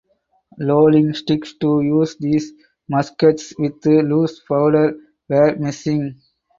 Loading sticks to use these muskets with loose powder were missing.